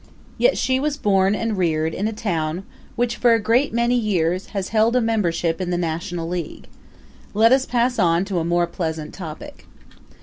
Yet she was born and reared in a town which for a great many years has held a membership in the National League. Let us pass on to a more pleasant topic.